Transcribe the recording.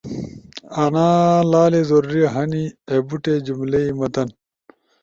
انا لالے ضروری ہنی اے بوٹی جملئی متن